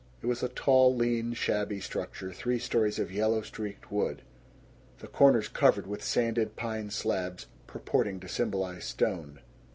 It was a tall lean shabby structure, three stories of yellow streaked wood, the corners covered with sanded pine slabs purporting to symbolize stone.